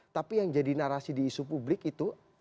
tapi yang jadi narasi di isu publik itu